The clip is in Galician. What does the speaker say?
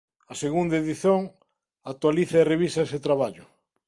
A segunda edición actualiza e revisa ese traballo.